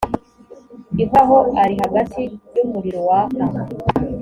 ihoraho ari hagati y’umuriro waka;